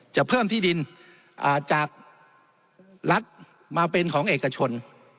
จะเพิ่มที่ดินจากรัฐมาเป็นของเอกชน